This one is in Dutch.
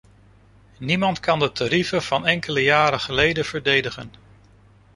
Niemand kan de tarieven van enkele jaren geleden verdedigen.